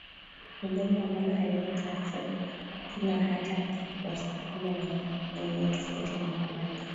ni jambo ambalo halina taarifa za kina hata kwa wasukuma wenyewe tofauti na mauaji